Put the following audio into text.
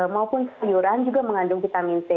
maupun sayuran juga mengandung vitamin c